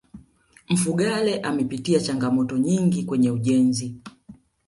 mfugale amepitia changamoto nyingi kwenye ujenzi